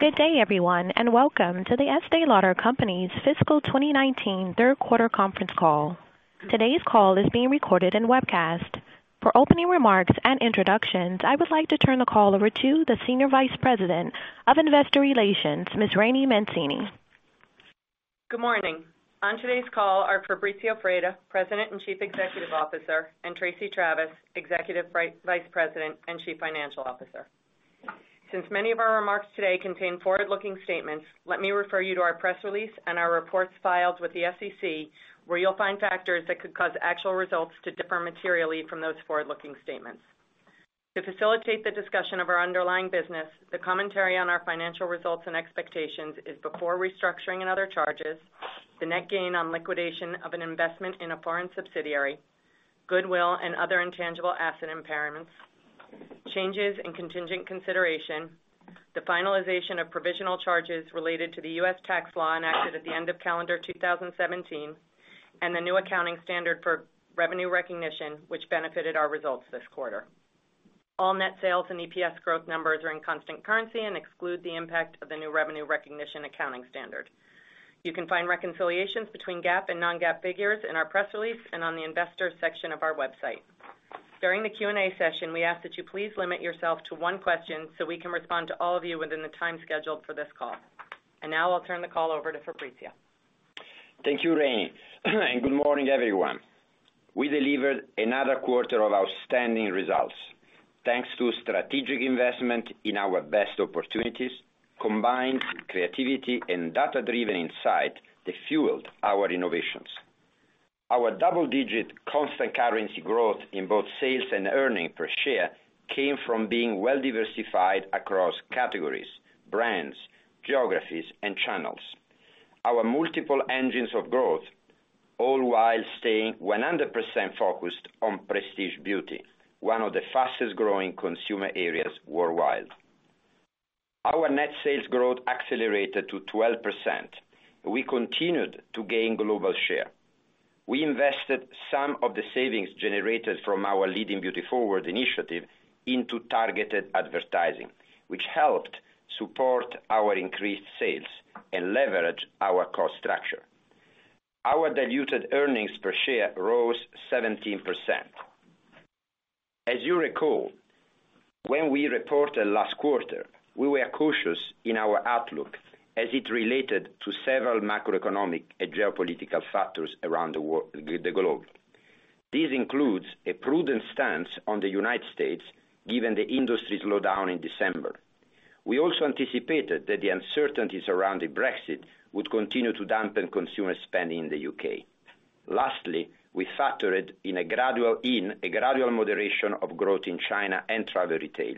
Good day, everyone, welcome to The Estée Lauder Companies Fiscal 2019 third quarter conference call. Today's call is being recorded and webcast. For opening remarks and introductions, I would like to turn the call over to the Senior Vice President of Investor Relations, Ms. Laraine Mancini. Good morning. On today's call are Fabrizio Freda, President and Chief Executive Officer, and Tracey Travis, Executive Vice President and Chief Financial Officer. Since many of our remarks today contain forward-looking statements, let me refer you to our press release and our reports filed with the SEC, where you'll find factors that could cause actual results to differ materially from those forward-looking statements. To facilitate the discussion of our underlying business, the commentary on our financial results and expectations is before restructuring and other charges, the net gain on liquidation of an investment in a foreign subsidiary, goodwill and other intangible asset impairments, changes in contingent consideration, the finalization of provisional charges related to the U.S. tax law enacted at the end of calendar 2017, and the new accounting standard for revenue recognition, which benefited our results this quarter. All net sales and EPS growth numbers are in constant currency and exclude the impact of the new revenue recognition accounting standard. You can find reconciliations between GAAP and non-GAAP figures in our press release and on the investor section of our website. During the Q&A session, we ask that you please limit yourself to one question so we can respond to all of you within the time scheduled for this call. Now I'll turn the call over to Fabrizio. Thank you, Rainie. Good morning, everyone. We delivered another quarter of outstanding results, thanks to strategic investment in our best opportunities, combined creativity, and data-driven insight that fueled our innovations. Our double-digit constant currency growth in both sales and earnings per share came from being well diversified across categories, brands, geographies, and channels. Our multiple engines of growth, all while staying 100% focused on prestige beauty, one of the fastest-growing consumer areas worldwide. Our net sales growth accelerated to 12%, we continued to gain global share. We invested some of the savings generated from our Leading Beauty Forward initiative into targeted advertising, which helped support our increased sales and leverage our cost structure. Our diluted earnings per share rose 17%. As you recall, when we reported last quarter, we were cautious in our outlook as it related to several macroeconomic and geopolitical factors around the globe. This includes a prudent stance on the U.S., given the industry slowdown in December. We also anticipated that the uncertainties around the Brexit would continue to dampen consumer spending in the U.K. Lastly, we factored in a gradual moderation of growth in China and travel retail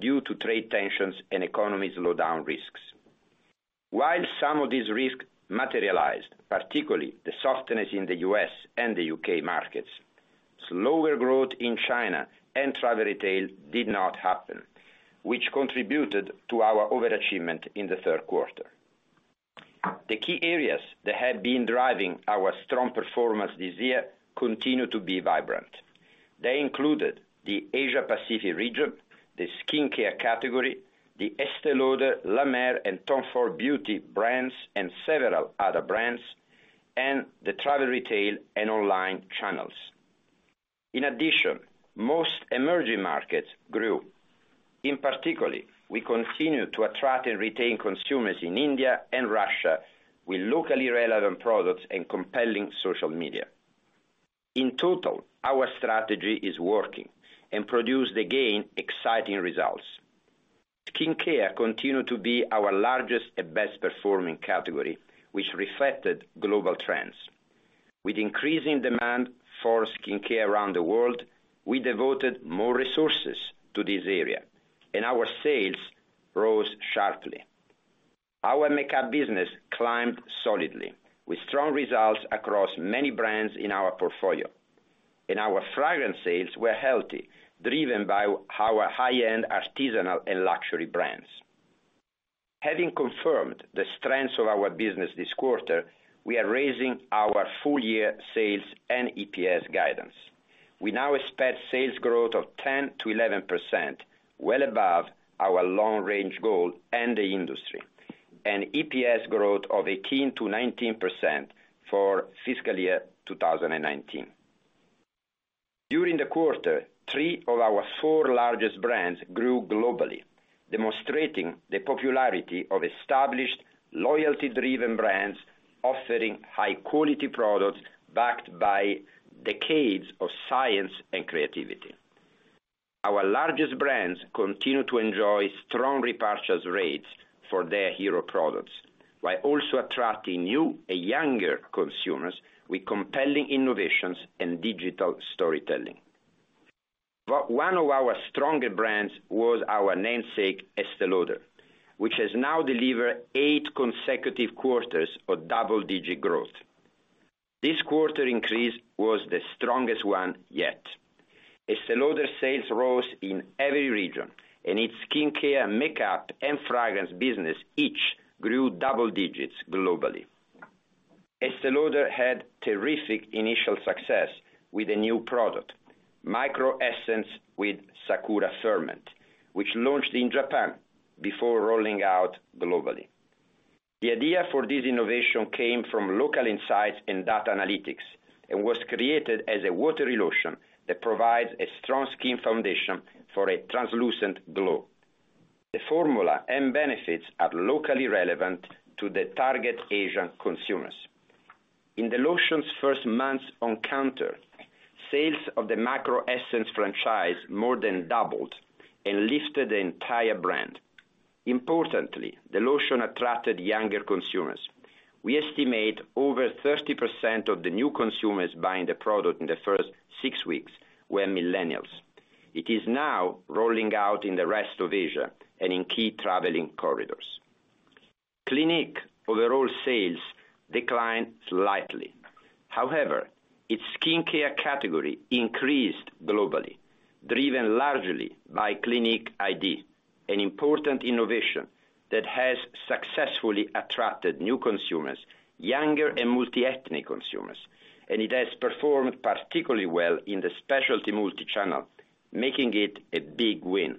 due to trade tensions and economy slowdown risks. While some of these risks materialized, particularly the softness in the U.S. and the U.K. markets, slower growth in China and travel retail did not happen, which contributed to our overachievement in the third quarter. The key areas that have been driving our strong performance this year continue to be vibrant. They included the Asia Pacific region, the skincare category, the Estée Lauder, La Mer, and Tom Ford Beauty brands, and several other brands, and the travel retail and online channels. In addition, most emerging markets grew. In particular, we continue to attract and retain consumers in India and Russia with locally relevant products and compelling social media. In total, our strategy is working and produced again exciting results. Skincare continued to be our largest and best-performing category, which reflected global trends. With increasing demand for skincare around the world, we devoted more resources to this area, and our sales rose sharply. Our makeup business climbed solidly with strong results across many brands in our portfolio, and our fragrance sales were healthy, driven by our high-end artisanal and luxury brands. Having confirmed the strengths of our business this quarter, we are raising our full-year sales and EPS guidance. We now expect sales growth of 10%-11%, well above our long-range goal and the industry, and EPS growth of 18%-19% for fiscal year 2019. During the quarter, three of our four largest brands grew globally, demonstrating the popularity of established loyalty-driven brands offering high-quality products backed by decades of science and creativity. Our largest brands continue to enjoy strong repurchase rates for their hero products while also attracting new and younger consumers with compelling innovations and digital storytelling. One of our stronger brands was our namesake, Estée Lauder, which has now delivered eight consecutive quarters of double-digit growth. This quarter increase was the strongest one yet. Estée Lauder sales rose in every region, and its skincare, makeup, and fragrance business each grew double digits globally. Estée Lauder had terrific initial success with a new product, Micro Essence with Sakura Ferment, which launched in Japan before rolling out globally. The idea for this innovation came from local insights and data analytics, and was created as a watery lotion that provides a strong skin foundation for a translucent glow. The formula and benefits are locally relevant to the target Asian consumers. In the lotion's first months on counter, sales of the Micro Essence franchise more than doubled and lifted the entire brand. Importantly, the lotion attracted younger consumers. We estimate over 30% of the new consumers buying the product in the first six weeks were Millennials. It is now rolling out in the rest of Asia and in key traveling corridors. Clinique overall sales declined slightly. However, its skincare category increased globally, driven largely by Clinique iD, an important innovation that has successfully attracted new consumers, younger and multi-ethnic consumers, and it has performed particularly well in the specialty multi-channel, making it a big win.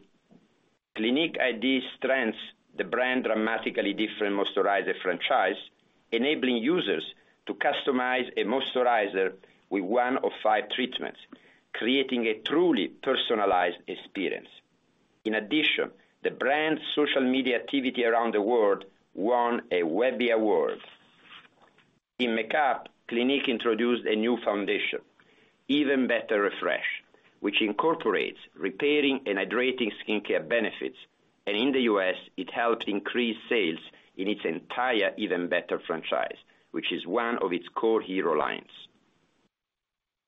Clinique iD strengthens the brand dramatically different moisturizer franchise, enabling users to customize a moisturizer with one of five treatments, creating a truly personalized experience. In addition, the brand's social media activity around the world won a Webby Award. In makeup, Clinique introduced a new foundation, Even Better Refresh, which incorporates repairing and hydrating skincare benefits. In the U.S., it helped increase sales in its entire Even Better franchise, which is one of its core hero lines.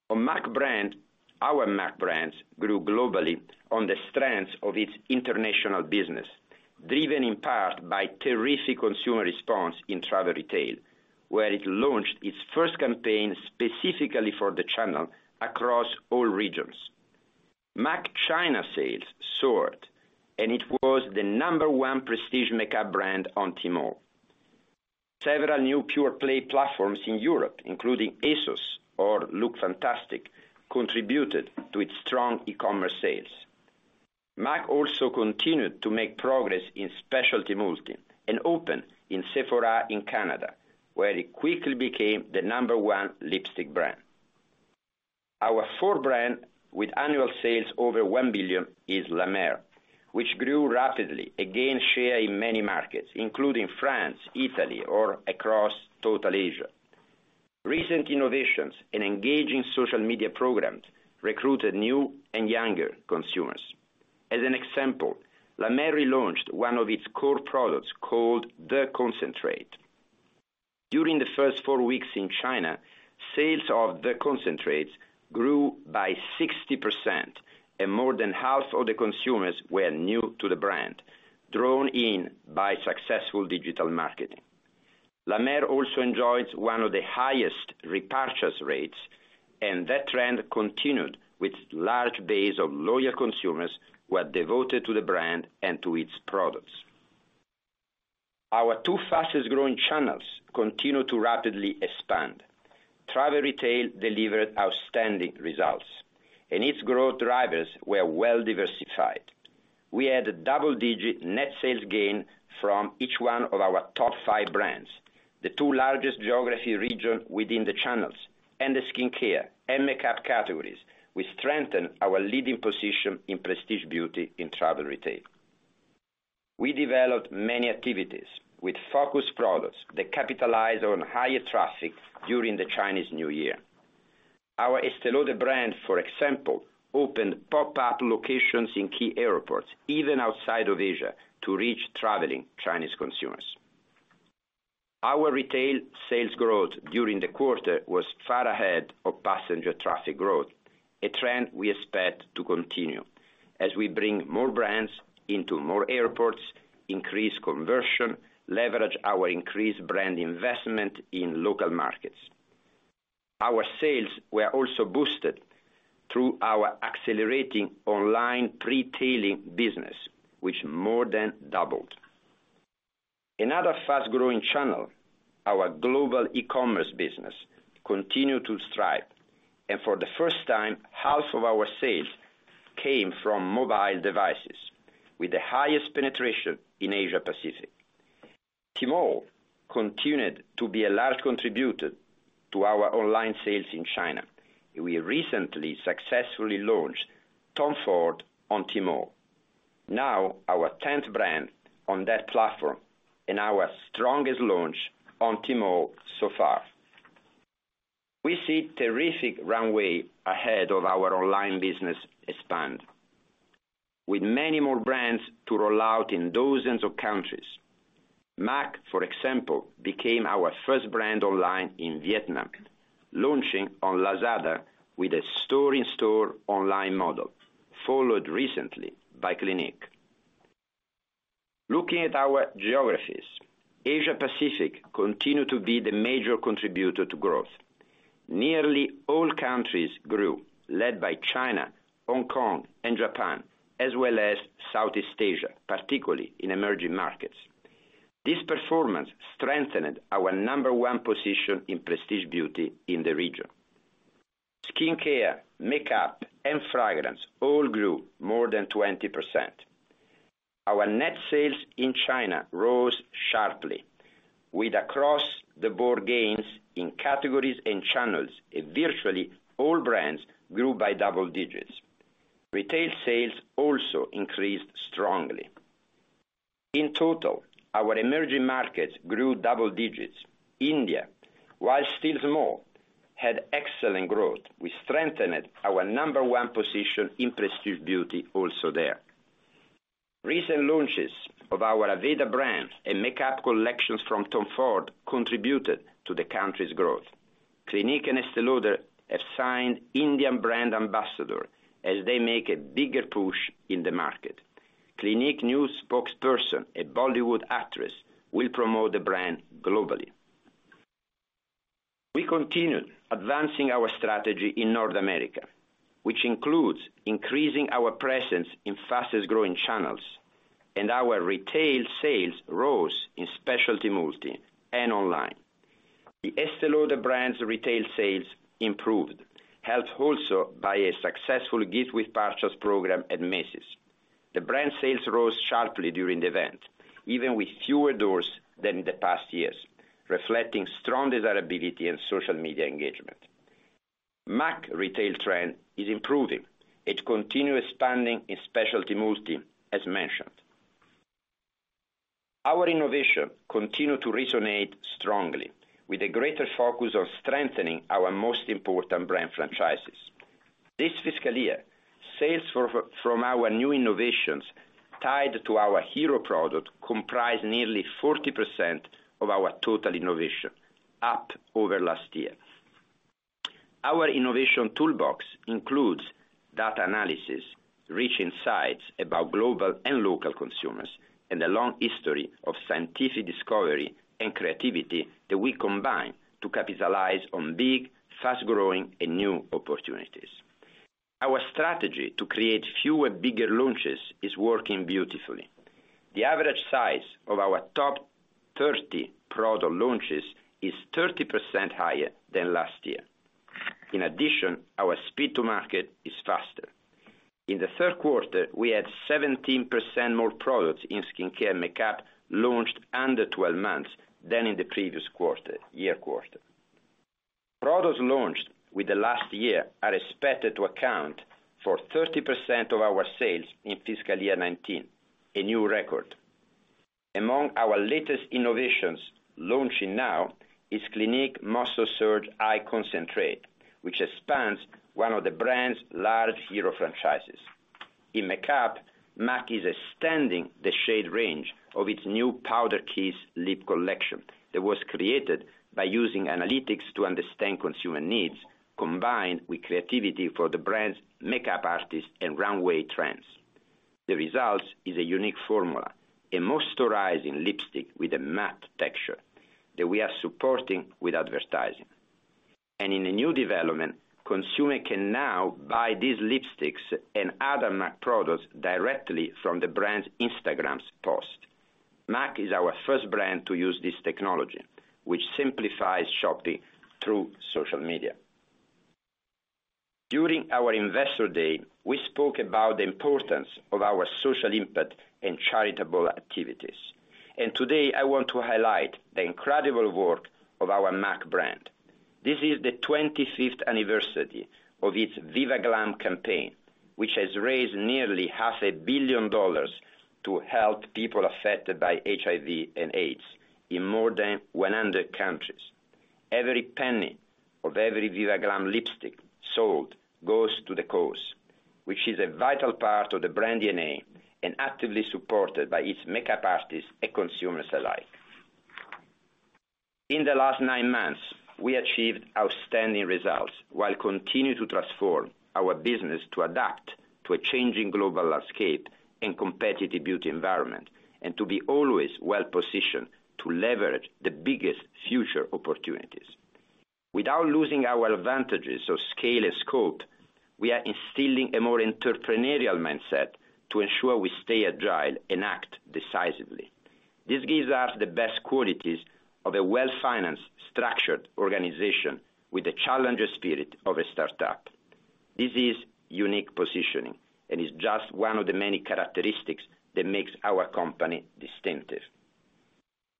Our MAC brands grew globally on the strength of its international business, driven in part by terrific consumer response in travel retail, where it launched its first campaign specifically for the channel across all regions. MAC China sales soared. It was the number one prestige makeup brand on Tmall. Several new pure play platforms in Europe, including ASOS or Lookfantastic, contributed to its strong e-commerce sales. MAC also continued to make progress in specialty multi. It opened in Sephora in Canada, where it quickly became the number one lipstick brand. Our fourth brand with annual sales over $1 billion is La Mer, which grew rapidly, gained share in many markets, including France, Italy, or across total Asia. Recent innovations and engaging social media programs recruited new and younger consumers. As an example, La Mer relaunched one of its core products called The Concentrate. During the first four weeks in China, sales of The Concentrate grew by 60%. More than half of the consumers were new to the brand, drawn in by successful digital marketing. La Mer also enjoys one of the highest repurchase rates. That trend continued with large base of loyal consumers who are devoted to the brand and to its products. Our two fastest growing channels continue to rapidly expand. Travel retail delivered outstanding results. Its growth drivers were well diversified. We had a double-digit net sales gain from each one of our top five brands, the two largest geographic regions within the channels, the skincare and makeup categories. We strengthened our leading position in prestige beauty in travel retail. We developed many activities with focus products that capitalize on higher traffic during the Chinese New Year. Our Estée Lauder brand, for example, opened pop-up locations in key airports, even outside of Asia, to reach traveling Chinese consumers. Our retail sales growth during the quarter was far ahead of passenger traffic growth, a trend we expect to continue as we bring more brands into more airports, increase conversion, leverage our increased brand investment in local markets. Our sales were also boosted through our accelerating online pre-tailing business, which more than doubled. Another fast-growing channel, our global e-commerce business, continued to thrive. For the first time, half of our sales came from mobile devices with the highest penetration in Asia Pacific. Tmall continued to be a large contributor to our online sales in China. We recently successfully launched Tom Ford on Tmall, now our 10th brand on that platform, our strongest launch on Tmall so far. We see terrific runway ahead of our online business to expand. With many more brands to roll out in dozens of countries, MAC, for example, became our first brand online in Vietnam, launching on Lazada with a store-in-store online model, followed recently by Clinique. Looking at our geographies, Asia Pacific continued to be the major contributor to growth. Nearly all countries grew, led by China, Hong Kong, and Japan, as well as Southeast Asia, particularly in emerging markets. This performance strengthened our number one position in prestige beauty in the region. Skincare, makeup, and fragrance all grew more than 20%. Our net sales in China rose sharply with across-the-board gains in categories and channels, and virtually all brands grew by double digits. Retail sales also increased strongly. In total, our emerging markets grew double digits. India, while still small, had excellent growth, which strengthened our number one position in prestige beauty also there. Recent launches of our Aveda brand and makeup collections from Tom Ford contributed to the country's growth. Clinique and Estée Lauder have signed Indian brand ambassador as they make a bigger push in the market. Clinique new spokesperson, a Bollywood actress, will promote the brand globally. We continued advancing our strategy in North America, which includes increasing our presence in fastest-growing channels, and our retail sales rose in specialty multi and online. The Estée Lauder brand's retail sales improved, helped also by a successful gift with purchase program at Macy's. The brand sales rose sharply during the event, even with fewer doors than in the past years, reflecting strong desirability and social media engagement. MAC retail trend is improving. It continue expanding in specialty multi, as mentioned. Our innovation continue to resonate strongly with a greater focus on strengthening our most important brand franchises. This fiscal year, sales from our new innovations tied to our hero product comprised nearly 40% of our total innovation, up over last year. Our innovation toolbox includes data analysis, rich insights about global and local consumers, and a long history of scientific discovery and creativity that we combine to capitalize on big, fast-growing, and new opportunities. Our strategy to create fewer, bigger launches is working beautifully. The average size of our top 30 product launches is 30% higher than last year. In addition, our speed to market is faster. In the third quarter, we had 17% more products in skincare and makeup launched under 12 months than in the previous year quarter. Products launched within the last year are expected to account for 30% of our sales in fiscal year 2019, a new record. Among our latest innovations launching now is Clinique Moisture Surge Eye Concentrate, which expands one of the brand's large hero franchises. In makeup, MAC is extending the shade range of its new Powder Kiss lip collection that was created by using analytics to understand consumer needs, combined with creativity for the brand's makeup artists and runway trends. The result is a unique formula, a moisturizing lipstick with a matte texture that we are supporting with advertising. In a new development, consumer can now buy these lipsticks and other MAC products directly from the brand's Instagram post. MAC is our first brand to use this technology, which simplifies shopping through social media. During our investor day, we spoke about the importance of our social impact and charitable activities, and today I want to highlight the incredible work of our MAC brand. This is the 25th anniversary of its VIVA GLAM campaign, which has raised nearly half a billion dollars to help people affected by HIV and AIDS in more than 100 countries. Every penny of every VIVA GLAM lipstick sold goes to the cause, which is a vital part of the brand DNA and actively supported by its makeup artists and consumers alike. In the last nine months, we achieved outstanding results while continuing to transform our business to adapt to a changing global landscape and competitive beauty environment, and to be always well-positioned to leverage the biggest future opportunities. Without losing our advantages of scale and scope, we are instilling a more entrepreneurial mindset to ensure we stay agile and act decisively. This gives us the best qualities of a well-financed, structured organization with the challenger spirit of a startup. This is unique positioning and is just one of the many characteristics that makes our company distinctive.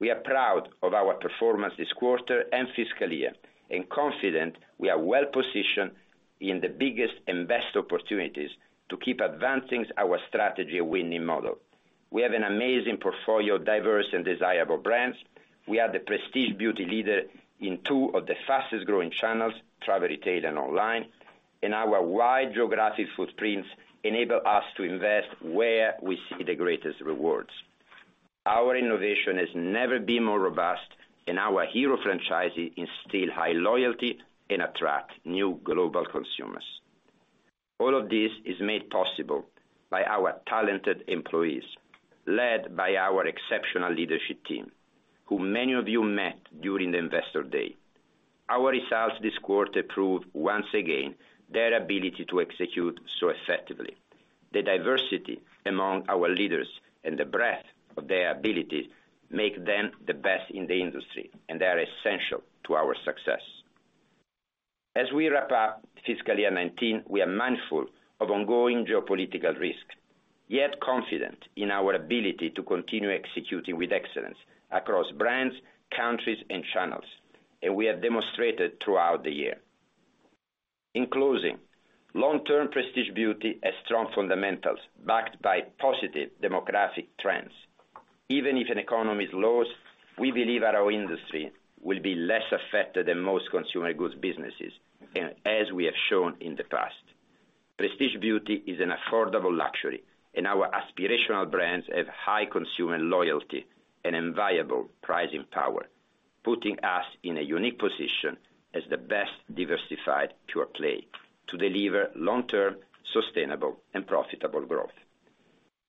We are proud of our performance this quarter and fiscal year, and confident we are well-positioned in the biggest and best opportunities to keep advancing our strategy and winning model. We have an amazing portfolio of diverse and desirable brands. We are the prestige beauty leader in two of the fastest-growing channels, travel retail and online. Our wide geographic footprints enable us to invest where we see the greatest rewards. Our innovation has never been more robust, and our hero franchises instill high loyalty and attract new global consumers. All of this is made possible by our talented employees, led by our exceptional leadership team, who many of you met during the investor day. Our results this quarter proved once again their ability to execute so effectively. The diversity among our leaders and the breadth of their abilities make them the best in the industry, and they are essential to our success. As we wrap up fiscal year 2019, we are mindful of ongoing geopolitical risk, yet confident in our ability to continue executing with excellence across brands, countries, and channels, and we have demonstrated throughout the year. In closing, long-term prestige beauty has strong fundamentals backed by positive demographic trends. Even if an economy is low, we believe our industry will be less affected than most consumer goods businesses, as we have shown in the past. Prestige beauty is an affordable luxury, and our aspirational brands have high consumer loyalty and enviable pricing power, putting us in a unique position as the best diversified pure play to deliver long-term sustainable and profitable growth.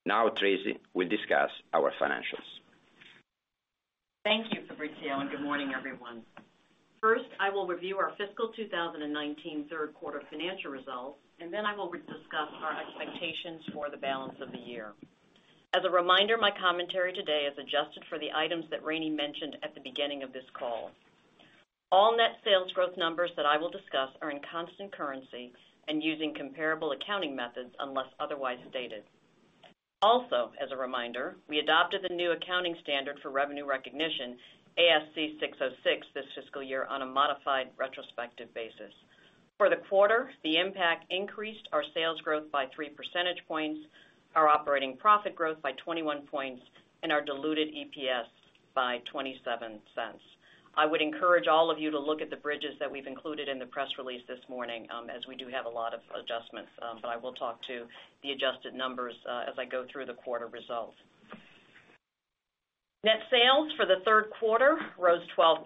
Now, Tracey will discuss our financials. Thank you, Fabrizio, and good morning, everyone. First, I will review our fiscal 2019 third quarter financial results. Then I will discuss our expectations for the balance of the year. As a reminder, my commentary today is adjusted for the items that Rainey mentioned at the beginning of this call. All net sales growth numbers that I will discuss are in constant currency and using comparable accounting methods unless otherwise stated. As a reminder, we adopted the new accounting standard for revenue recognition, ASC 606, this fiscal year on a modified retrospective basis. For the quarter, the impact increased our sales growth by three percentage points, our operating profit growth by 21 points, and our diluted EPS by $0.27. I would encourage all of you to look at the bridges that we've included in the press release this morning, as we do have a lot of adjustments. I will talk to the adjusted numbers as I go through the quarter results. Net sales for the third quarter rose 12%,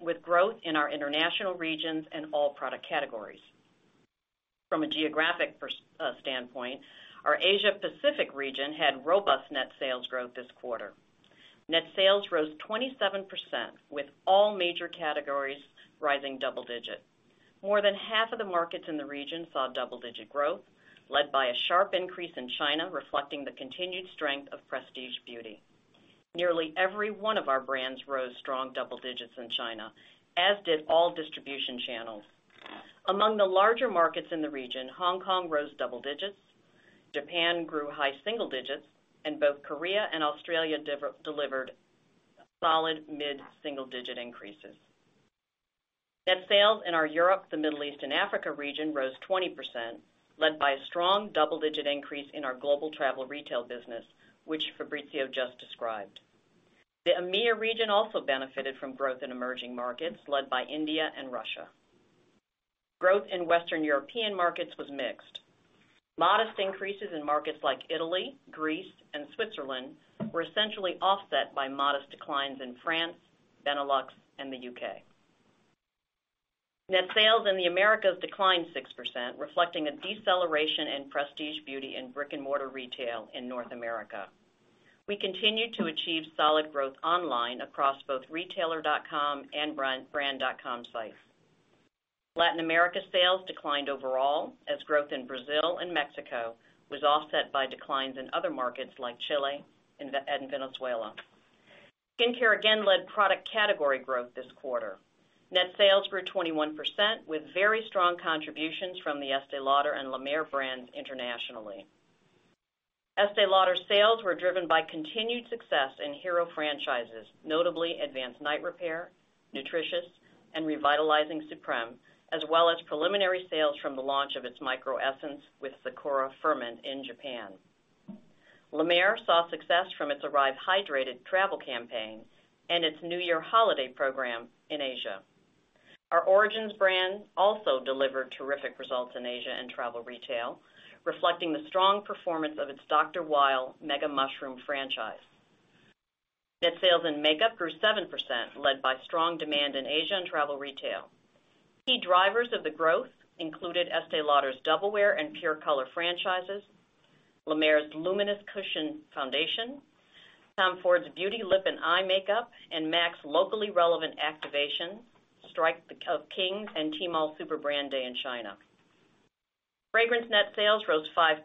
with growth in our international regions and all product categories. From a geographic standpoint, our Asia Pacific region had robust net sales growth this quarter. Net sales rose 27%, with all major categories rising double digits. More than half of the markets in the region saw double-digit growth, led by a sharp increase in China, reflecting the continued strength of prestige beauty. Nearly every one of our brands rose strong double digits in China, as did all distribution channels. Among the larger markets in the region, Hong Kong rose double digits, Japan grew high single digits, and both Korea and Australia delivered solid mid-single-digit increases. Net sales in our Europe, the Middle East, and Africa region rose 20%, led by a strong double-digit increase in our global travel retail business, which Fabrizio just described. The EMEA region also benefited from growth in emerging markets led by India and Russia. Growth in Western European markets was mixed. Modest increases in markets like Italy, Greece, and Switzerland were essentially offset by modest declines in France, Benelux, and the U.K. Net sales in the Americas declined 6%, reflecting a deceleration in prestige beauty in brick-and-mortar retail in North America. We continued to achieve solid growth online across both retailer.com and brand.com sites. Latin America sales declined overall as growth in Brazil and Mexico was offset by declines in other markets like Chile and Venezuela. Skincare again led product category growth this quarter. Net sales grew 21%, with very strong contributions from the Estée Lauder and La Mer brands internationally. Estée Lauder sales were driven by continued success in hero franchises, notably Advanced Night Repair, Nutritious, and Revitalizing Supreme, as well as preliminary sales from the launch of its Micro Essence with Sakura Ferment in Japan. La Mer saw success from its Arrive Hydrated travel campaign and its New Year holiday program in Asia. Our Origins brand also delivered terrific results in Asia and travel retail, reflecting the strong performance of its Dr. Weil Mega-Mushroom franchise. Net sales in makeup grew 7%, led by strong demand in Asia and travel retail. Key drivers of the growth included Estée Lauder's Double Wear and Pure Color franchises, La Mer's Luminous Cushion foundation, Tom Ford Beauty Lip and Eye makeup, and MAC's locally relevant activation, Strike of Kings, and Tmall Super Brand Day in China. Fragrance net sales rose 5%.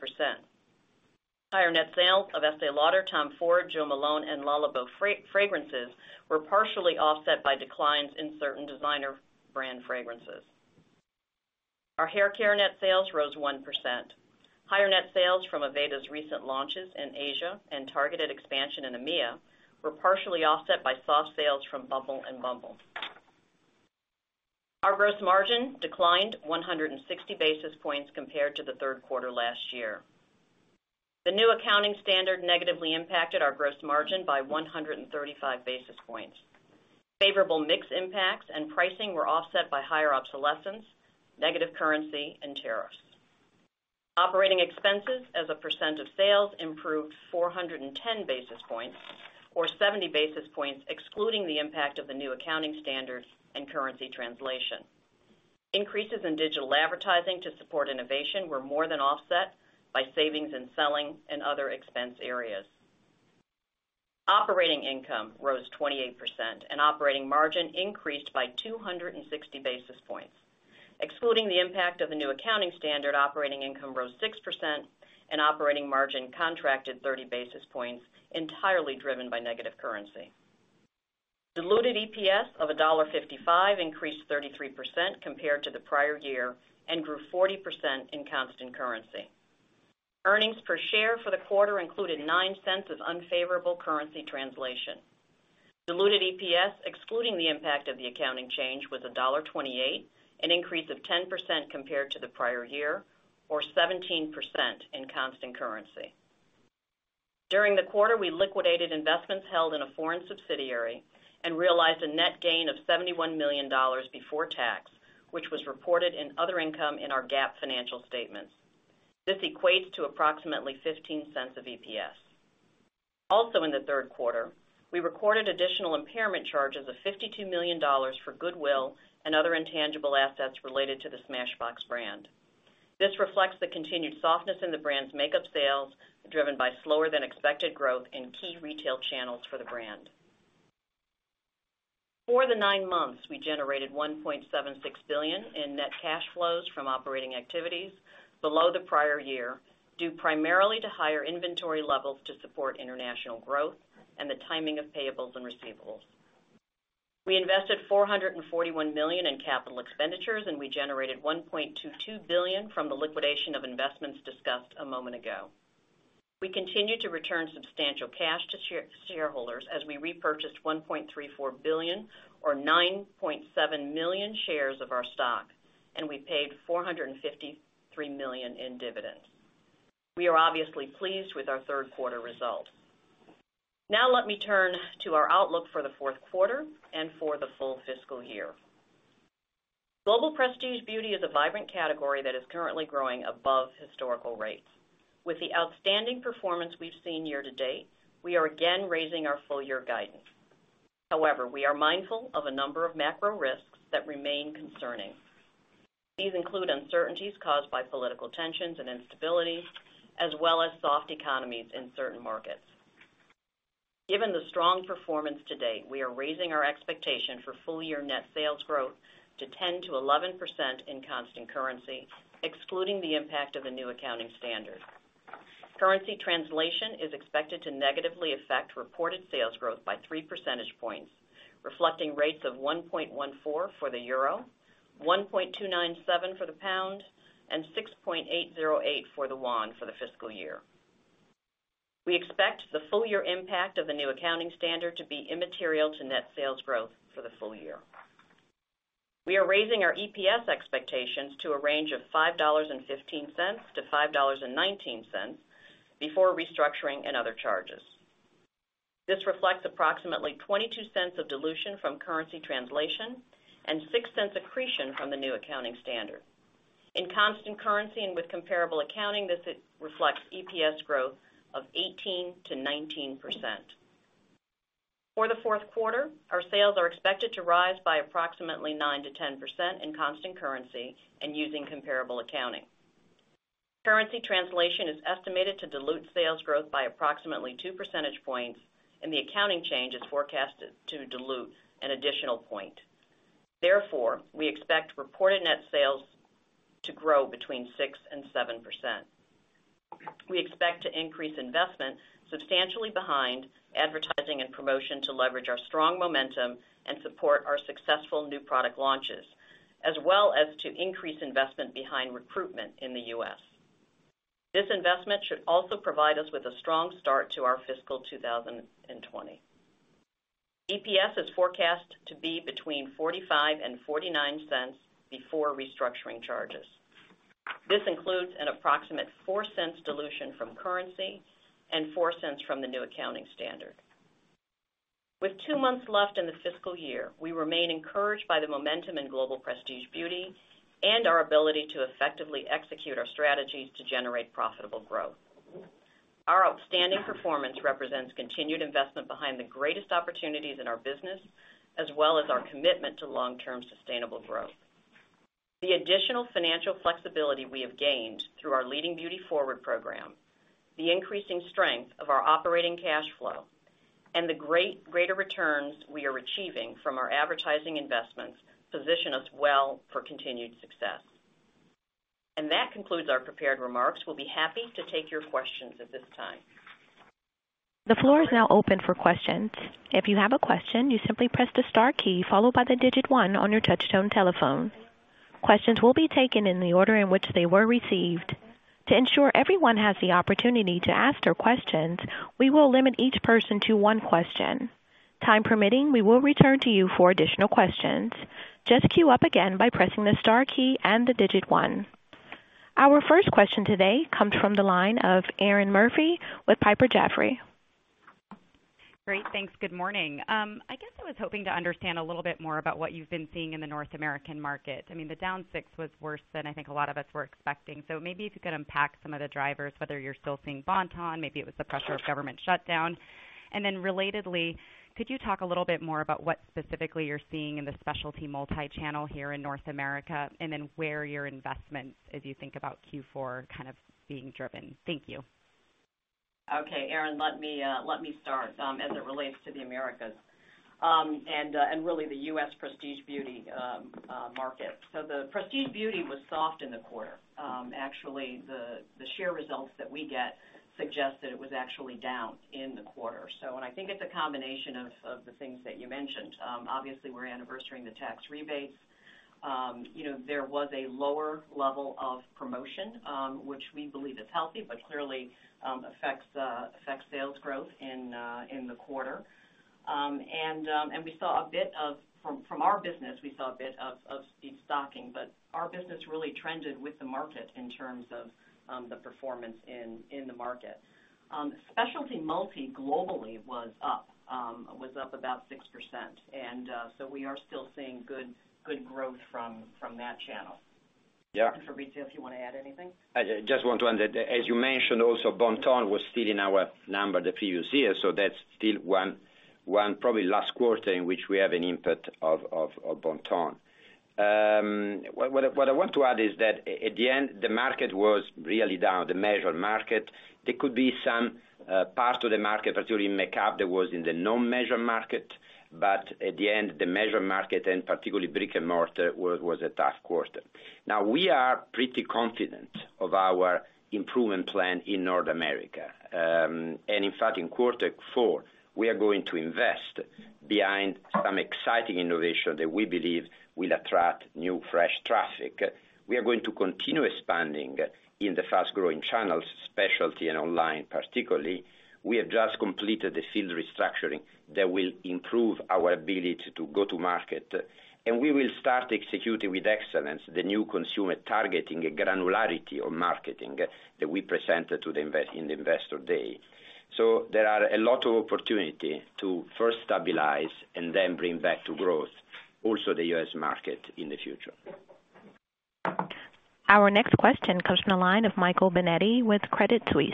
Higher net sales of Estée Lauder, Tom Ford, Jo Malone, and Le Labo fragrances were partially offset by declines in certain designer brand fragrances. Our haircare net sales rose 1%. Higher net sales from Aveda's recent launches in Asia and targeted expansion in EMEA were partially offset by soft sales from Bumble and bumble. Our gross margin declined 160 basis points compared to the third quarter last year. The new accounting standard negatively impacted our gross margin by 135 basis points. Favorable mix impacts and pricing were offset by higher obsolescence, negative currency, and tariffs. Operating expenses as a percent of sales improved 410 basis points, or 70 basis points excluding the impact of the new accounting standards and currency translation. Increases in digital advertising to support innovation were more than offset by savings in selling and other expense areas. Operating income rose 28%, and operating margin increased by 260 basis points. Excluding the impact of the new accounting standard, operating income rose 6%, and operating margin contracted 30 basis points, entirely driven by negative currency. Diluted EPS of $1.55 increased 33% compared to the prior year and grew 40% in constant currency. Earnings per share for the quarter included $0.09 of unfavorable currency translation. Diluted EPS, excluding the impact of the accounting change, was $1.28, an increase of 10% compared to the prior year or 17% in constant currency. During the quarter, we liquidated investments held in a foreign subsidiary and realized a net gain of $71 million before tax, which was reported in other income in our GAAP financial statements. This equates to approximately $0.15 of EPS. Also in the third quarter, we recorded additional impairment charges of $52 million for goodwill and other intangible assets related to the Smashbox brand. This reflects the continued softness in the brand's makeup sales, driven by slower than expected growth in key retail channels for the brand. For the nine months, we generated $1.76 billion in net cash flows from operating activities below the prior year, due primarily to higher inventory levels to support international growth and the timing of payables and receivables. We invested $441 million in capital expenditures, and we generated $1.22 billion from the liquidation of investments discussed a moment ago. We continue to return substantial cash to shareholders as we repurchased $1.34 billion or 9.7 million shares of our stock, and we paid $453 million in dividends. We are obviously pleased with our third quarter result. Let me turn to our outlook for the fourth quarter and for the full fiscal year. Global prestige beauty is a vibrant category that is currently growing above historical rates. With the outstanding performance we've seen year to date, we are again raising our full year guidance. However, we are mindful of a number of macro risks that remain concerning. These include uncertainties caused by political tensions and instability, as well as soft economies in certain markets. Given the strong performance to date, we are raising our expectation for full year net sales growth to 10%-11% in constant currency, excluding the impact of the new accounting standard. Currency translation is expected to negatively affect reported sales growth by three percentage points, reflecting rates of 1.14 for the euro, 1.297 for the pound, and 6.808 for the won for the fiscal year. We expect the full year impact of the new accounting standard to be immaterial to net sales growth for the full year. We are raising our EPS expectations to a range of $5.15-$5.19 before restructuring and other charges. This reflects approximately $0.22 of dilution from currency translation and $0.06 accretion from the new accounting standard. In constant currency and with comparable accounting, this reflects EPS growth of 18%-19%. For the fourth quarter, our sales are expected to rise by approximately 9%-10% in constant currency and using comparable accounting. Currency translation is estimated to dilute sales growth by approximately two percentage points, and the accounting change is forecasted to dilute an additional point. Therefore, we expect reported net sales to grow between 6% and 7%. We expect to increase investment substantially behind advertising and promotion to leverage our strong momentum and support our successful new product launches, as well as to increase investment behind recruitment in the U.S. This investment should also provide us with a strong start to our fiscal 2020. EPS is forecast to be between $0.45 and $0.49 before restructuring charges. This includes an approximate $0.04 dilution from currency and $0.04 from the new accounting standard. With two months left in the fiscal year, we remain encouraged by the momentum in global prestige beauty and our ability to effectively execute our strategies to generate profitable growth. Our outstanding performance represents continued investment behind the greatest opportunities in our business, as well as our commitment to long-term sustainable growth. The additional financial flexibility we have gained through our Leading Beauty Forward program, the increasing strength of our operating cash flow, and the greater returns we are achieving from our advertising investments position us well for continued success. That concludes our prepared remarks. We'll be happy to take your questions at this time. The floor is now open for questions. If you have a question, you simply press the star key followed by the digit 1 on your touchtone telephone. Questions will be taken in the order in which they were received. To ensure everyone has the opportunity to ask their questions, we will limit each person to one question. Time permitting, we will return to you for additional questions. Just queue up again by pressing the star key and the digit 1. Our first question today comes from the line of Erinn Murphy with Piper Jaffray. Great. Thanks. Good morning. I guess I was hoping to understand a little bit more about what you've been seeing in the North American market. The down six was worse than I think a lot of us were expecting. Maybe if you could unpack some of the drivers, whether you're still seeing Bon-Ton, maybe it was the pressure of government shutdown. Then relatedly, could you talk a little bit more about what specifically you're seeing in the specialty multi-channel here in North America, and then where are your investments as you think about Q4 being driven? Thank you. Okay, Erinn, let me start as it relates to the Americas, and really the U.S. prestige beauty market. The prestige beauty was soft in the quarter. Actually, the share results that we get suggest that it was actually down in the quarter. I think it's a combination of the things that you mentioned. Obviously, we're anniversarying the tax rebates. There was a lower level of promotion, which we believe is healthy, but clearly affects sales growth in the quarter. From our business, we saw a bit of de-stocking, but our business really trended with the market in terms of the performance in the market. Specialty multi globally was up about 6%. We are still seeing good growth from that channel. Yeah. Fabrizio, if you want to add anything. I just want to add that, as you mentioned also, Bon-Ton was still in our number the previous year, that's still one probably last quarter in which we have an input of Bon-Ton. What I want to add is that at the end, the market was really down, the measured market. There could be some part of the market, particularly in makeup, that was in the non-measured market. At the end, the measured market, and particularly brick-and-mortar, was a tough quarter. We are pretty confident of our improvement plan in North America. In fact, in quarter four, we are going to invest behind some exciting innovation that we believe will attract new fresh traffic. We are going to continue expanding in the fast-growing channels, specialty and online particularly. We have just completed the field restructuring that will improve our ability to go to market, we will start executing with excellence the new consumer targeting granularity of marketing that we presented in the investor day. There are a lot of opportunity to first stabilize and then bring back to growth also the U.S. market in the future. Our next question comes from the line of Michael Binetti with Credit Suisse.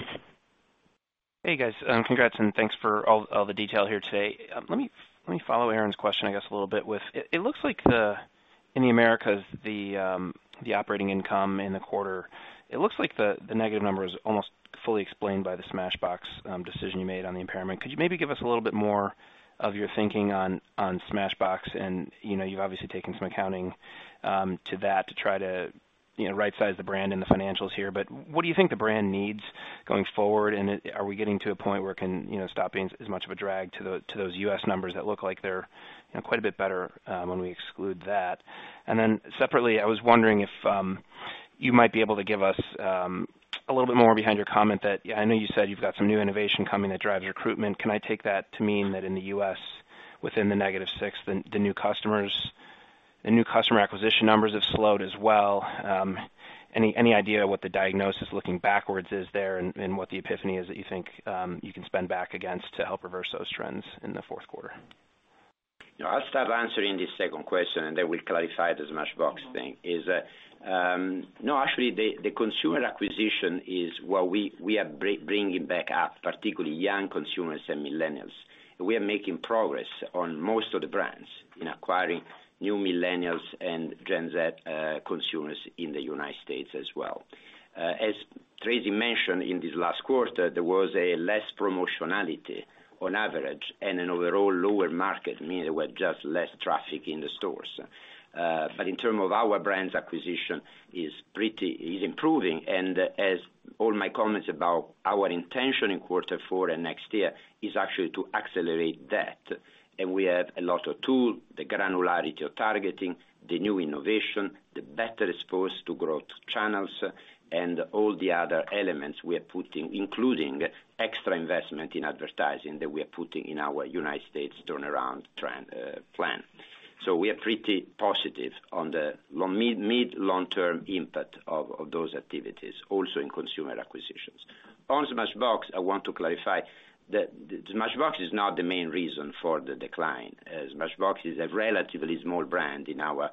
Hey, guys. Congrats and thanks for all the detail here today. Let me follow Erinn's question, I guess, a little bit with, it looks like in the Americas, the operating income in the quarter, it looks like the negative number is almost fully explained by the Smashbox decision you made on the impairment. Could you maybe give us a little bit more of your thinking on Smashbox? You've obviously taken some accounting to that to try to right size the brand and the financials here, but what do you think the brand needs going forward? Are we getting to a point where it can stop being as much of a drag to those U.S. numbers that look like they're quite a bit better when we exclude that? Separately, I was wondering if you might be able to give us a little bit more behind your comment that, I know you said you've got some new innovation coming that drives recruitment. Can I take that to mean that in the U.S., within the negative six, the new customer acquisition numbers have slowed as well? Any idea what the diagnosis looking backwards is there and what the epiphany is that you think you can spend back against to help reverse those trends in the fourth quarter? I'll start answering this second question, we'll clarify the Smashbox thing. Actually, the consumer acquisition is what we are bringing back up, particularly young consumers and millennials. We are making progress on most of the brands in acquiring new millennials and Gen Z consumers in the United States as well. As Tracey mentioned, in this last quarter, there was a less promotionality on average and an overall lower market, meaning there was just less traffic in the stores. In term of our brands acquisition is improving, all my comments about our intention in quarter four and next year is actually to accelerate that. We have a lot of tools, the granularity of targeting, the new innovation, the better exposed to growth channels, and all the other elements we are putting, including extra investment in advertising that we are putting in our U.S. turnaround plan. We are pretty positive on the mid- to long-term impact of those activities, also in consumer acquisitions. On Smashbox, I want to clarify that Smashbox is not the main reason for the decline. Smashbox is a relatively small brand in our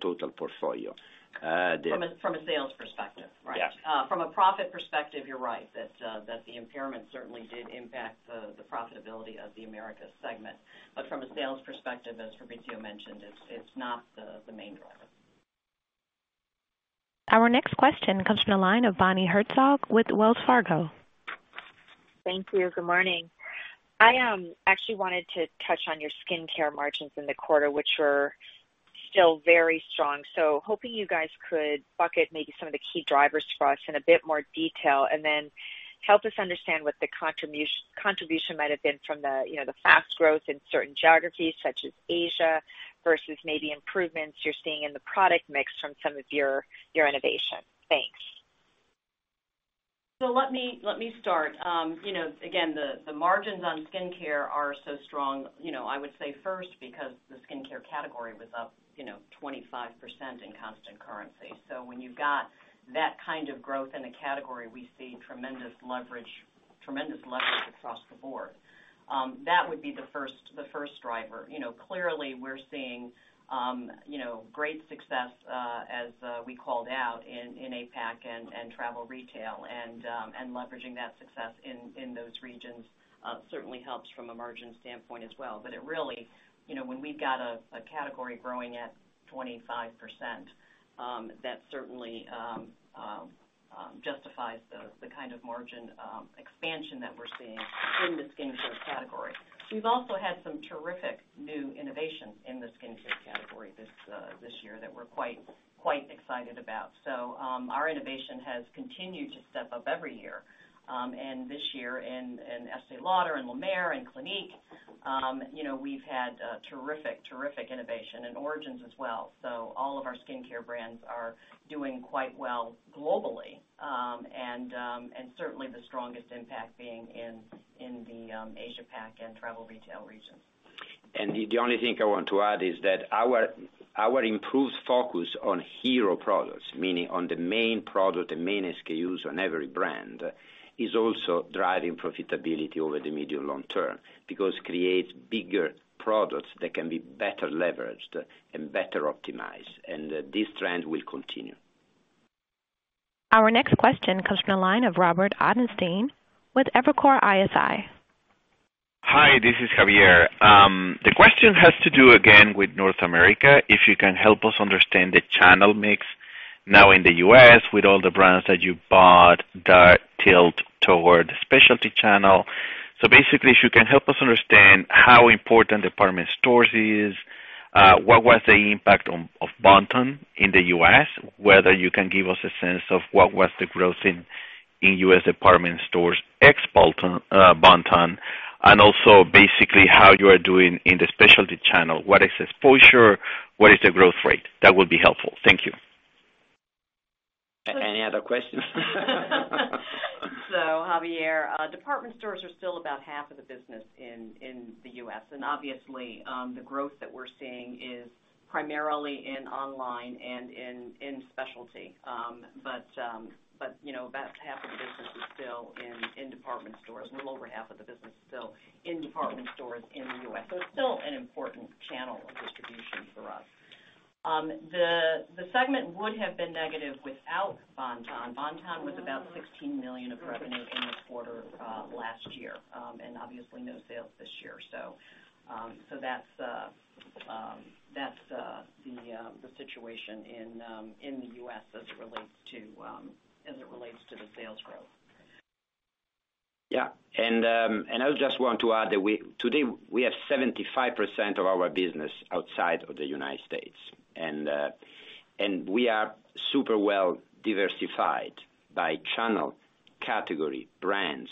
total portfolio. From a sales perspective, right? Yeah. From a profit perspective, you're right that the impairment certainly did impact the profitability of the Americas segment. From a sales perspective, as Fabrizio mentioned, it's not the main driver. Our next question comes from the line of Bonnie Herzog with Wells Fargo. Thank you. Good morning. I actually wanted to touch on your skincare margins in the quarter, which were still very strong. Hoping you guys could bucket maybe some of the key drivers for us in a bit more detail, and then help us understand what the contribution might have been from the fast growth in certain geographies such as Asia versus maybe improvements you're seeing in the product mix from some of your innovation. Thanks. Let me start. Again, the margins on skincare are so strong, I would say first because the skincare category was up 25% in constant currency. When you've got that kind of growth in a category, we see tremendous leverage across the board. That would be the first driver. Clearly, we're seeing great success as we called out in APAC and travel retail, and leveraging that success in those regions certainly helps from a margin standpoint as well. It really, when we've got a category growing at 25%, that certainly justifies the kind of margin expansion that we're seeing in the skincare category. We've also had some terrific new innovations in the skincare category this year that we're quite excited about. Our innovation has continued to step up every year. This year in Estée Lauder, in La Mer, in Clinique, we've had terrific innovation, in Origins as well. All of our skincare brands are doing quite well globally. Certainly the strongest impact being in the Asia-Pac and travel retail regions. The only thing I want to add is that our improved focus on hero products, meaning on the main product and main SKUs on every brand, is also driving profitability over the medium long term, because creates bigger products that can be better leveraged and better optimized, and this trend will continue. Our next question comes from the line of Robert Ottenstein with Evercore ISI. Hi, this is Javier. The question has to do again with North America. If you can help us understand the channel mix now in the U.S. with all the brands that you bought that tilt toward the specialty channel. Basically if you can help us understand how important department stores is, what was the impact of Bon-Ton in the U.S., whether you can give us a sense of what was the growth in U.S. department stores ex-Bon-Ton, and also basically how you are doing in the specialty channel. What is exposure? What is the growth rate? That would be helpful. Thank you. Any other questions? Javier, department stores are still about half of the business in the U.S., and obviously, the growth that we're seeing is primarily in online and in specialty. That's half of the business is still in department stores, a little over half of the business is still in department stores in the U.S. It's still an important channel of distribution for us. The segment would have been negative without Bon-Ton. Bon-Ton was about $16 million of revenue in the quarter last year, and obviously no sales this year. That's the situation in the U.S. as it relates to the sales growth. Yeah. I just want to add that today we have 75% of our business outside of the U.S., and we are super well diversified by channel, category, brands.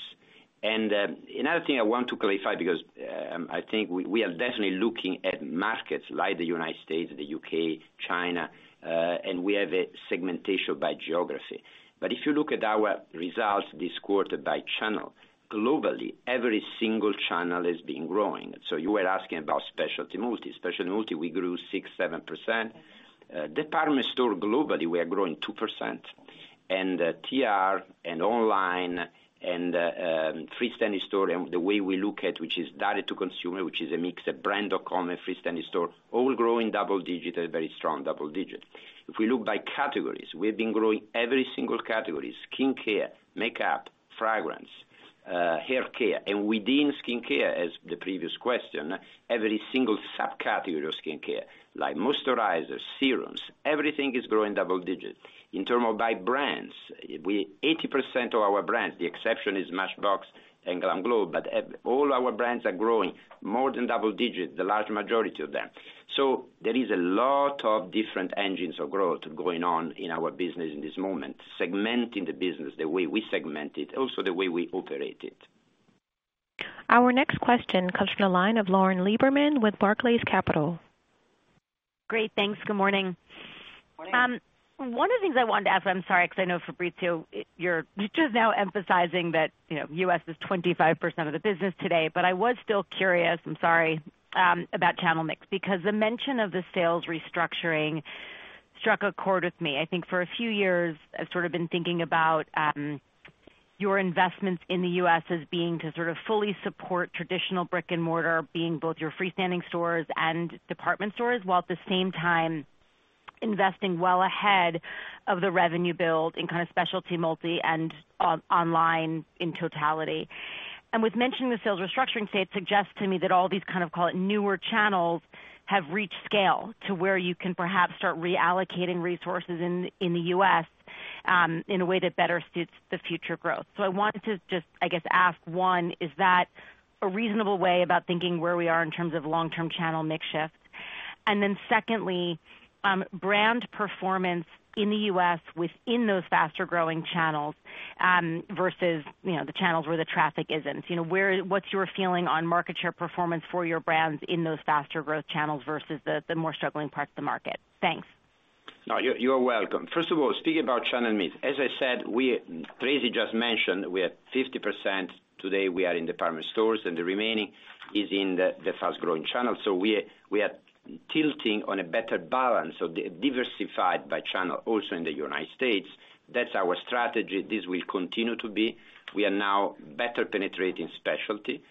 Another thing I want to clarify, because I think we are definitely looking at markets like the U.S., the U.K., China, and we have a segmentation by geography. If you look at our results this quarter by channel, globally, every single channel has been growing. You were asking about specialty multi. Specialty multi, we grew 6%-7%. Department store globally, we are growing 2%. TR and online and freestanding store, and the way we look at which is direct-to-consumer, which is a mix of brand.com and freestanding store, all growing double digit, very strong double digit. If we look by categories, we've been growing every single category, skincare, makeup, fragrance, skincare. Within skincare, as the previous question, every single subcategory of skincare, like moisturizers, serums, everything is growing double digits. In terms of by brands, 80% of our brands, the exception is Smashbox and GLAMGLOW, but all our brands are growing more than double digits, the large majority of them. There is a lot of different engines of growth going on in our business in this moment, segmenting the business the way we segment it, also the way we operate it. Our next question comes from the line of Lauren Lieberman with Barclays Capital. Great, thanks. Good morning. Morning. One of the things I wanted to ask, I am sorry, because I know Fabrizio, you are just now emphasizing that U.S. is 25% of the business today, I was still curious, I am sorry, about channel mix, because the mention of the sales restructuring struck a chord with me. I think for a few years, I have sort of been thinking about your investments in the U.S. as being to sort of fully support traditional brick-and-mortar being both your freestanding stores and department stores, while at the same time investing well ahead of the revenue build in kind of specialty multi and online in totality. With mentioning the sales restructuring today, it suggests to me that all these kind of, call it newer channels, have reached scale to where you can perhaps start reallocating resources in the U.S. in a way that better suits the future growth. I wanted to just, I guess, ask, one, is that a reasonable way about thinking where we are in terms of long-term channel mix shifts? Secondly, brand performance in the U.S. within those faster-growing channels, versus the channels where the traffic isn't. What is your feeling on market share performance for your brands in those faster growth channels versus the more struggling parts of the market? Thanks. No, you are welcome. First of all, speaking about channel mix, as I said, Tracey just mentioned we are 50% today we are in department stores, The remaining is in the fast-growing channels. We are tilting on a better balance of diversified by channel also in the United States. That is our strategy. This will continue to be. We are now better penetrating specialty.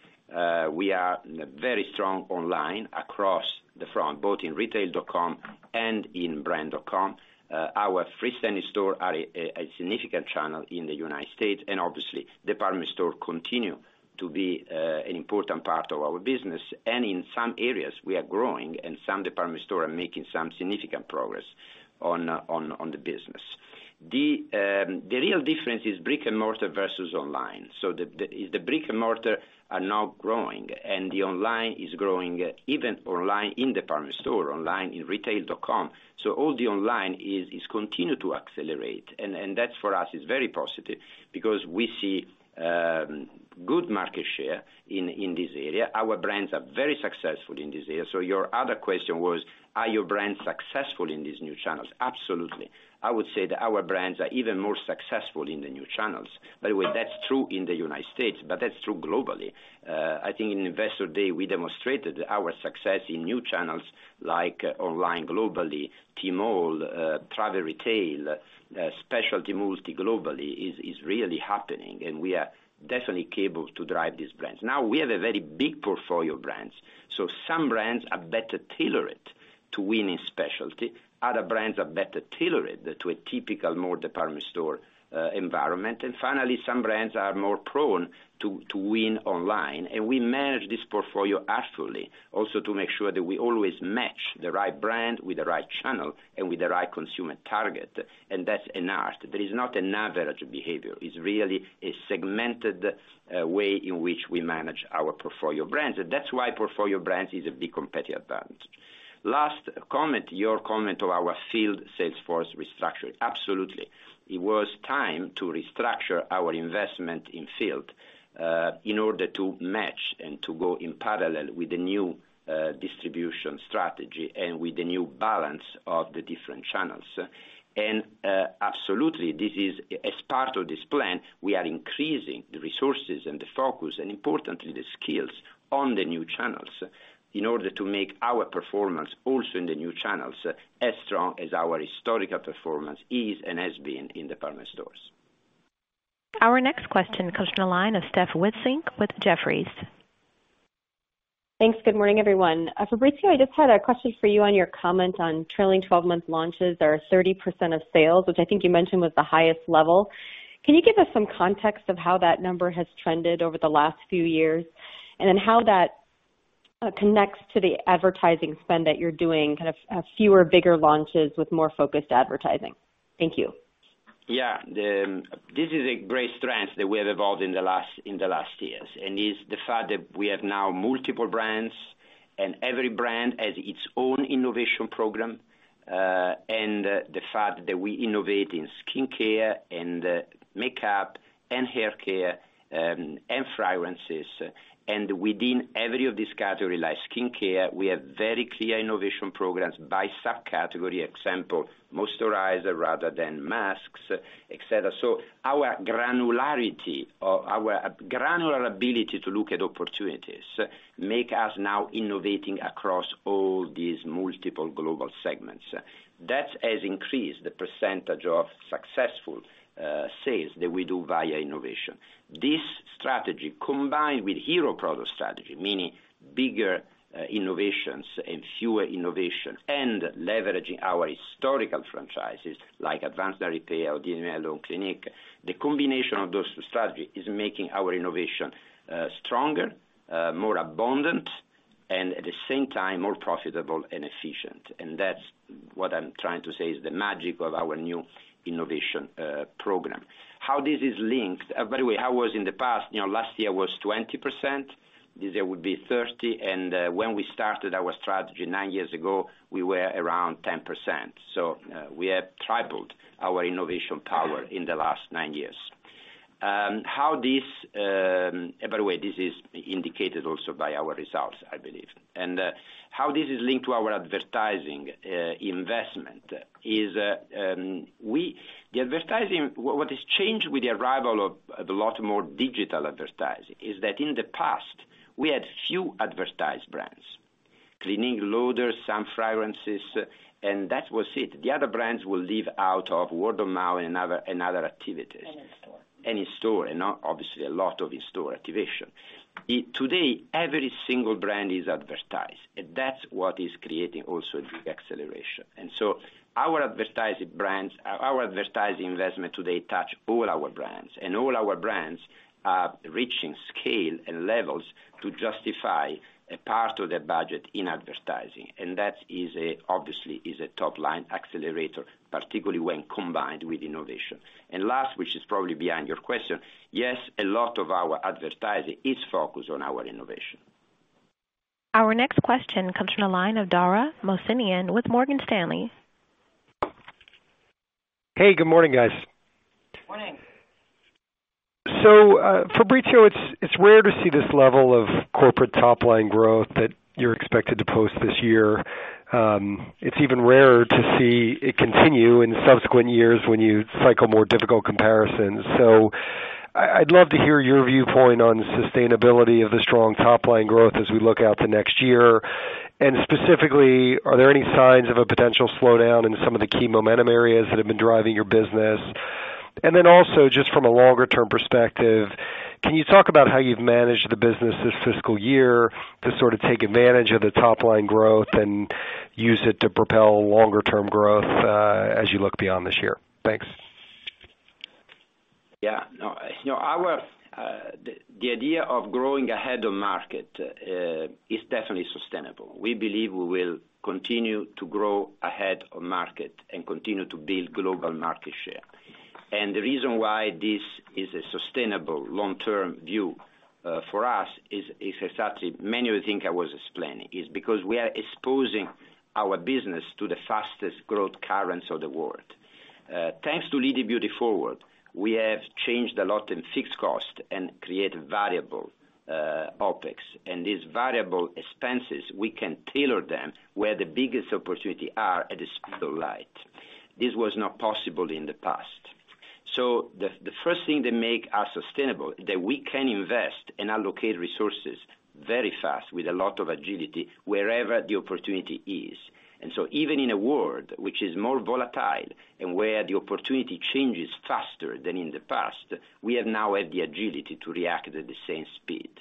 We are very strong online across the front, both in retailer.com and in brand.com. Our freestanding store are a significant channel in the United States, Obviously department store continue to be an important part of our business. In some areas we are growing and some department store are making some significant progress on the business. The real difference is brick-and-mortar versus online. The brick-and-mortar are now growing, The online is growing, even online in department store, online in retailer.com. All the online is continue to accelerate, That, for us, is very positive because we see good market share in this area. Our brands are very successful in this area. Your other question was, are your brands successful in these new channels? Absolutely. I would say that our brands are even more successful in the new channels. By the way, that is true in the United States, That is true globally. I think in Investor Day, we demonstrated our success in new channels like online globally, Tmall, travel retail, specialty multi globally is really happening, We are definitely able to drive these brands. Now, we have a very big portfolio brands. Some brands are better tailored to win in specialty. Other brands are better tailored to a typical, more department store environment. Finally, some brands are more prone to win online. We manage this portfolio actively, also to make sure that we always match the right brand with the right channel and with the right consumer target. That's an art. There is not an average behavior. It's really a segmented way in which we manage our portfolio brands. That's why portfolio brands is a big competitive advantage. Last comment, your comment of our field sales force restructure. Absolutely. It was time to restructure our investment in field in order to match and to go in parallel with the new distribution strategy and with the new balance of the different channels. Absolutely, as part of this plan, we are increasing the resources and the focus, and importantly, the skills on the new channels in order to make our performance also in the new channels as strong as our historical performance is and has been in department stores. Our next question comes from the line of Stephanie Wissink with Jefferies. Thanks. Good morning, everyone. Fabrizio, I just had a question for you on your comment on trailing 12-month launches are 30% of sales, which I think you mentioned was the highest level. Can you give us some context of how that number has trended over the last few years, and then how that connects to the advertising spend that you're doing, kind of fewer, bigger launches with more focused advertising? Thank you. Yeah. This is a great strength that we have evolved in the last years, it's the fact that we have now multiple brands, every brand has its own innovation program. The fact that we innovate in skincare, in makeup, in haircare, fragrances. Within every of this category, like skincare, we have very clear innovation programs by subcategory. Example, moisturizer rather than masks, et cetera. Our granularity or our granular ability to look at opportunities, make us now innovating across all these multiple global segments. That has increased the percentage of successful sales that we do via innovation. This strategy, combined with hero product strategy, meaning bigger innovations and fewer innovation and leveraging our historical franchises like Advanced Night Repair, Estée Lauder, Clinique, the combination of those strategy is making our innovation stronger, more abundant, at the same time, more profitable and efficient. That's what I'm trying to say is the magic of our new innovation program. How this is linked, by the way, how was in the past, last year was 20%, this year would be 30%, and when we started our strategy nine years ago, we were around 10%. We have tripled our innovation power in the last nine years. By the way, this is indicated also by our results, I believe. How this is linked to our advertising investment is, what has changed with the arrival of a lot more digital advertising is that in the past we had few advertised brands. Clinique, Lauder, some fragrances, and that was it. The other brands will live out of word of mouth and other activities. In store. In store, and obviously, a lot of in-store activation. Today, every single brand is advertised, and that's what is creating also a big acceleration. Our advertising investment today touch all our brands, and all our brands are reaching scale and levels to justify a part of their budget in advertising, and that obviously is a top-line accelerator, particularly when combined with innovation. Last, which is probably behind your question, yes, a lot of our advertising is focused on our innovation. Our next question comes from the line of Dara Mohsenian with Morgan Stanley. Hey, good morning, guys. Morning. Fabrizio, it's rare to see this level of corporate top-line growth that you're expected to post this year. It's even rarer to see it continue in subsequent years when you cycle more difficult comparisons. I'd love to hear your viewpoint on sustainability of the strong top-line growth as we look out to next year. Specifically, are there any signs of a potential slowdown in some of the key momentum areas that have been driving your business? Also, just from a longer-term perspective, can you talk about how you've managed the business this fiscal year to sort of take advantage of the top-line growth and use it to propel longer-term growth as you look beyond this year? Thanks. Yeah. No, the idea of growing ahead of market is definitely sustainable. We believe we will continue to grow ahead of market and continue to build global market share. The reason why this is a sustainable long-term view for us is exactly many of the thing I was explaining, is because we are exposing our business to the fastest growth currents of the world. Thanks to Leading Beauty Forward, we have changed a lot in fixed cost and created variable OpEx. These variable expenses, we can tailor them where the biggest opportunity are at the speed of light. This was not possible in the past. The first thing that make us sustainable, that we can invest and allocate resources very fast with a lot of agility wherever the opportunity is. Even in a world which is more volatile and where the opportunity changes faster than in the past, we now have the agility to react at the same speed.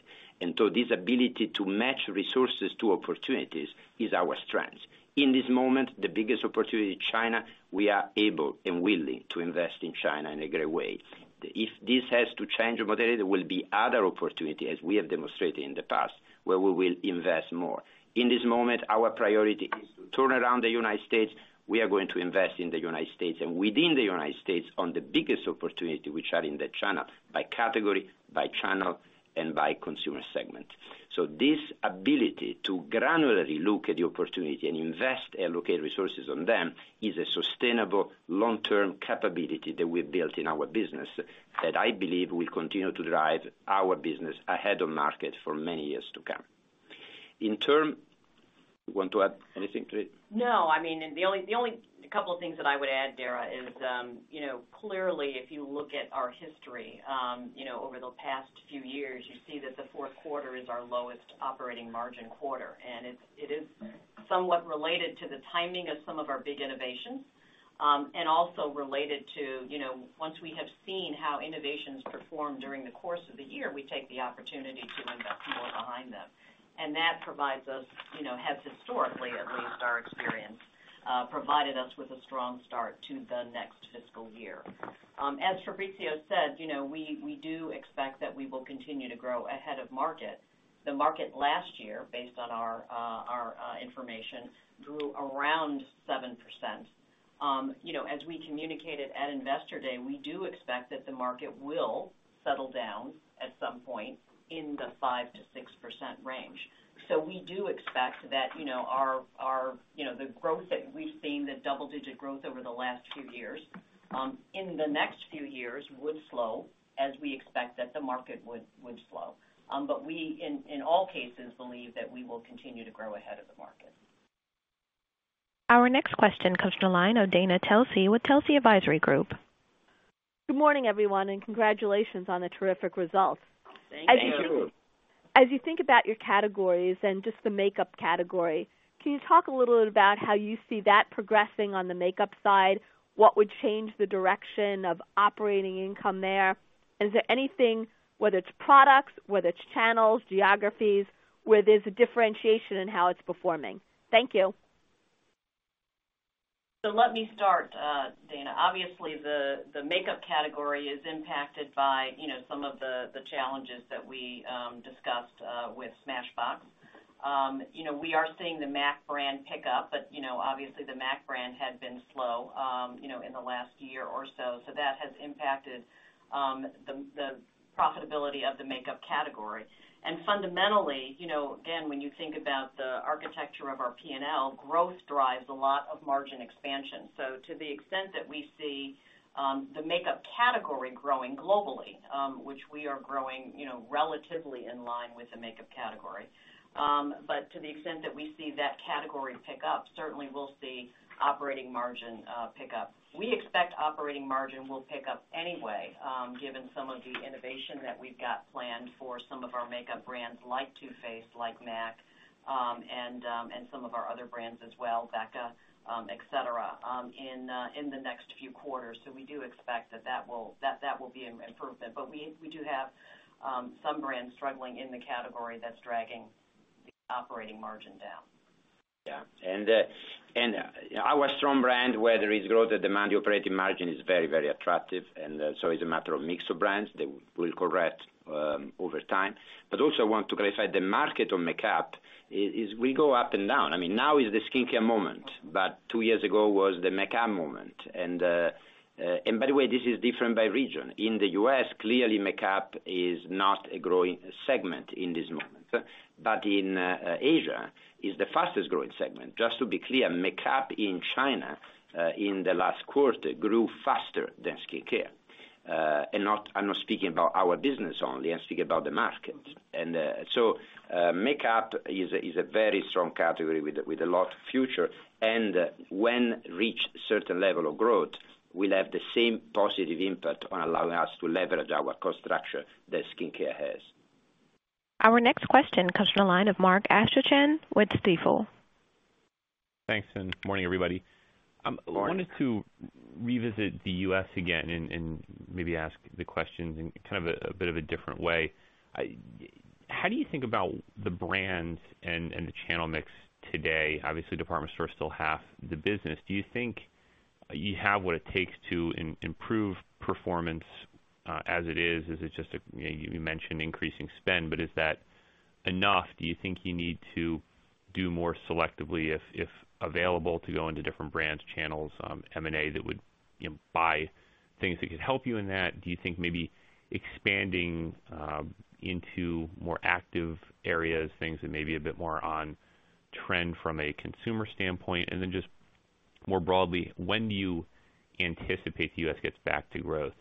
This ability to match resources to opportunities is our strength. In this moment, the biggest opportunity, China, we are able and willing to invest in China in a great way. If this has to change moderately, there will be other opportunities, as we have demonstrated in the past, where we will invest more. In this moment, our priority is to turn around the United States. We are going to invest in the United States, and within the United States, on the biggest opportunity which are in the China by category, by channel, and by consumer segment. This ability to granularly look at the opportunity and invest and allocate resources on them is a sustainable long-term capability that we've built in our business that I believe will continue to drive our business ahead of market for many years to come. You want to add anything to it? No, the only couple of things that I would add, Dara, is, clearly, if you look at our history, over the past few years, you see that the fourth quarter is our lowest operating margin quarter. It is somewhat related to the timing of some of our big innovations, and also related to, once we have seen how innovations perform during the course of the year, we take the opportunity to invest more behind them. That has historically, at least our experience, provided us with a strong start to the next fiscal year. As Fabrizio said, we do expect that we will continue to grow ahead of market. The market last year, based on our information, grew around 7%. As we communicated at Investor Day, we do expect that the market will settle down at some point in the 5%-6% range. We do expect that the growth that we've seen, the double-digit growth over the last few years, in the next few years would slow as we expect that the market would slow. We, in all cases, believe that we will continue to grow ahead of the market. Our next question comes from the line of Dana Telsey with Telsey Advisory Group. Good morning, everyone, and congratulations on the terrific results. Thank you. Thank you. As you think about your categories and just the makeup category, can you talk a little bit about how you see that progressing on the makeup side? What would change the direction of operating income there? Is there anything, whether it's products, whether it's channels, geographies, where there's a differentiation in how it's performing? Thank you. Let me start, Dana. Obviously, the makeup category is impacted by some of the challenges that we discussed with Smashbox. We are seeing the MAC brand pick up, but obviously the MAC brand had been slow in the last year or so. That has impacted the profitability of the makeup category. Fundamentally, again, when you think about the architecture of our P&L, growth drives a lot of margin expansion. To the extent that we see the makeup category growing globally, which we are growing relatively in line with the makeup category. To the extent that we see that category pick up, certainly we'll see operating margin pick up. We expect operating margin will pick up anyway, given some of the innovation that we've got planned for some of our makeup brands like Too Faced, like MAC, and some of our other brands as well, BECCA, et cetera, in the next few quarters. We do expect that will be an improvement. We do have some brands struggling in the category that's dragging the operating margin down. Yeah. Our strong brand, where there is growth and demand, the operating margin is very, very attractive. It's a matter of mix of brands that will correct over time. Also I want to clarify, the market on makeup is we go up and down. Now is the skincare moment, but two years ago was the makeup moment. By the way, this is different by region. In the U.S., clearly makeup is not a growing segment in this moment. In Asia, it's the fastest-growing segment. Just to be clear, makeup in China in the last quarter grew faster than skincare. I'm not speaking about our business only, I'm speaking about the market. Makeup is a very strong category with a lot of future, and when reach certain level of growth, will have the same positive impact on allowing us to leverage our cost structure that skincare has. Our next question comes from the line of Mark Astrachan with Stifel. Thanks, morning, everybody. Morning. I wanted to revisit the U.S. again and maybe ask the questions in kind of a bit of a different way. How do you think about the brands and the channel mix today? Obviously, department stores still have the business. Do you think you have what it takes to improve performance as it is. You mentioned increasing spend, but is that enough? Do you think you need to do more selectively, if available, to go into different brands, channels, M&A, that would buy things that could help you in that? Do you think maybe expanding into more active areas, things that may be a bit more on trend from a consumer standpoint? Just more broadly, when do you anticipate the U.S. gets back to growth?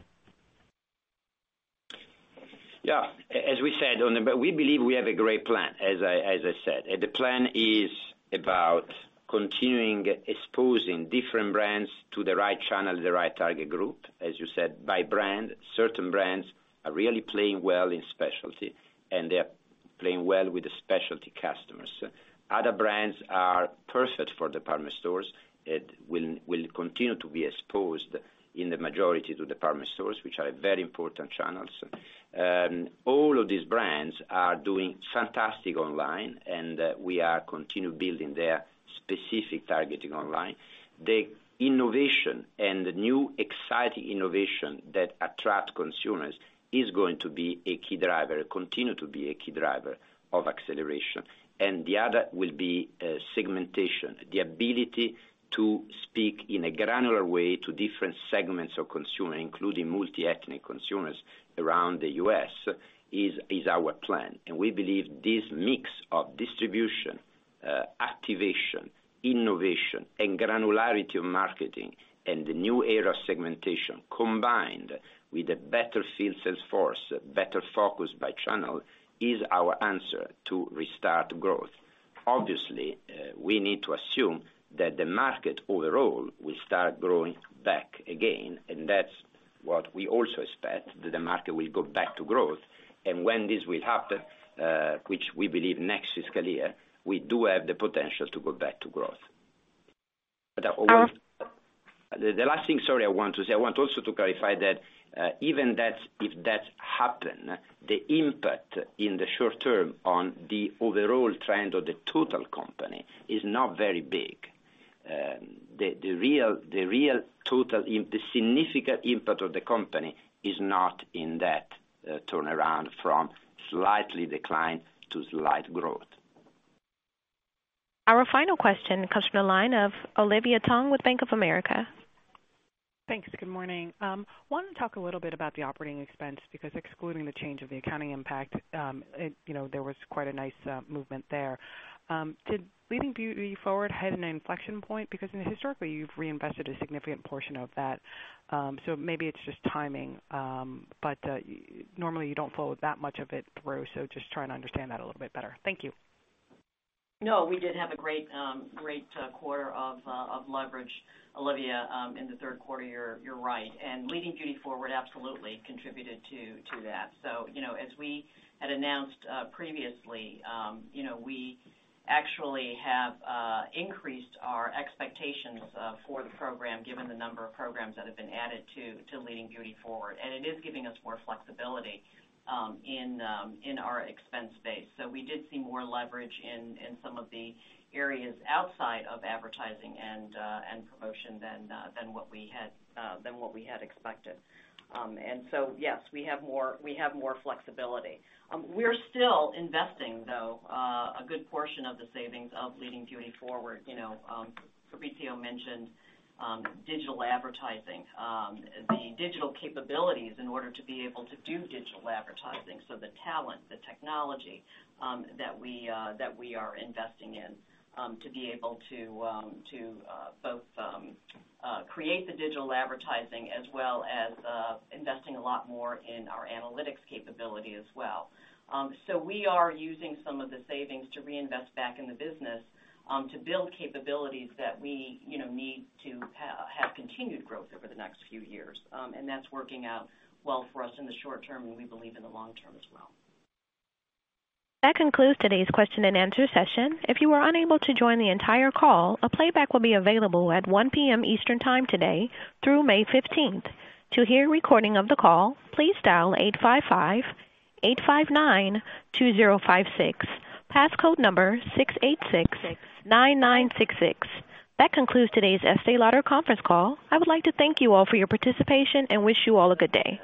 Yeah. We believe we have a great plan, as I said. The plan is about continuing exposing different brands to the right channel, the right target group, as you said, by brand. Certain brands are really playing well in specialty, and they are playing well with the specialty customers. Other brands are perfect for department stores. It will continue to be exposed in the majority to department stores, which are very important channels. All of these brands are doing fantastic online, and we are continue building their specific targeting online. The innovation and the new exciting innovation that attract consumers is going to be a key driver, continue to be a key driver of acceleration. The other will be segmentation. The ability to speak in a granular way to different segments of consumer, including multi-ethnic consumers around the U.S., is our plan. We believe this mix of distribution, activation, innovation, and granularity of marketing and the new era of segmentation, combined with a better field sales force, better focus by channel, is our answer to restart growth. Obviously, we need to assume that the market overall will start growing back again, and that's what we also expect, that the market will go back to growth. When this will happen, which we believe next fiscal year, we do have the potential to go back to growth. Our- The last thing, sorry, I want to say, I want also to clarify that even if that happen, the impact in the short term on the overall trend of the total company is not very big. The significant impact of the company is not in that turnaround from slightly decline to slight growth. Our final question comes from the line of Olivia Tong with Bank of America. Thanks. Good morning. I wanted to talk a little bit about the operating expense, because excluding the change of the accounting impact, there was quite a nice movement there. Did Leading Beauty Forward have an inflection point? Historically, you've reinvested a significant portion of that, maybe it's just timing. Normally you don't flow that much of it through, just trying to understand that a little bit better. Thank you. No, we did have a great quarter of leverage, Olivia, in the third quarter, you're right. Leading Beauty Forward absolutely contributed to that. As we had announced previously, we actually have increased our expectations for the program given the number of programs that have been added to Leading Beauty Forward. It is giving us more flexibility in our expense base. We did see more leverage in some of the areas outside of advertising and promotion than what we had expected. Yes, we have more flexibility. We're still investing, though, a good portion of the savings of Leading Beauty Forward. Fabrizio mentioned digital advertising, the digital capabilities in order to be able to do digital advertising. The talent, the technology that we are investing in to be able to both create the digital advertising as well as investing a lot more in our analytics capability as well. We are using some of the savings to reinvest back in the business to build capabilities that we need to have continued growth over the next few years. That's working out well for us in the short term, and we believe in the long term as well. That concludes today's question and answer session. If you were unable to join the entire call, a playback will be available at 1:00 P.M. Eastern Time today through May 15th. To hear a recording of the call, please dial 855-859-2056, passcode number 6869966. That concludes today's Estée Lauder conference call. I would like to thank you all for your participation and wish you all a good day.